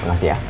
terima kasih ya